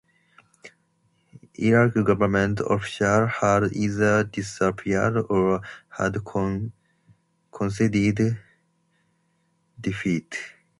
Iraqi government officials had either disappeared or had conceded defeat.